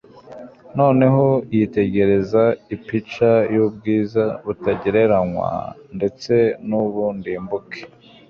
noneho yitegereza ipica y’ubwiza butagereranywa ndetse n’ubundimbuke.